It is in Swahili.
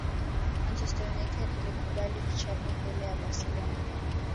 Manchester United ilikubali kichapo mbele ya barcelona